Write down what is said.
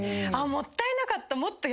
もったいなかった。